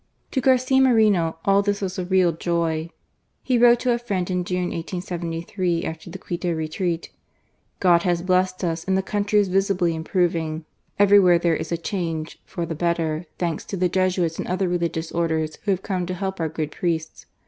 To Garcia Moreno all this was a real joy. He wrote to a friend in June, 1873, after the Quito retreat :" God has blessed us ; and the country is visibly improving. Everywhere there is a change for the better, thanks to the Jesuits and other Religious Orders who have come to help our good priests.